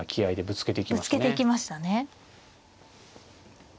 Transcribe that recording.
ぶつけていきましたね。